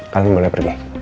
kalian boleh pergi